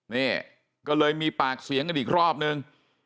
นี่ก็เลยมีปากเสียงกันอีกรอบนึง